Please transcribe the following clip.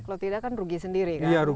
kalau tidak kan rugi sendiri kan